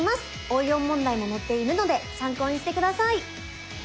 応用問題も載っているので参考にして下さい。